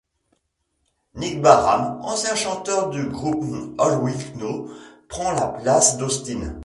Nick Barham, ancien chanteur du groupe All We Know prend la place d'Austin.